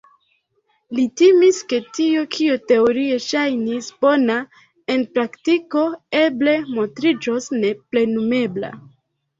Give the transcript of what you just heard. Li timis, ke tio, kio teorie ŝajnis bona, en praktiko eble montriĝos neplenumebla.